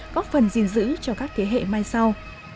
góp phần gìn giữ cho các thế hệ mai sau